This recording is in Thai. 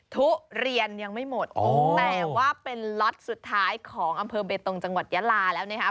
ทุเรียนยังไม่หมดแต่ว่าเป็นล็อตสุดท้ายของอำเภอเบตงจังหวัดยาลาแล้วนะครับ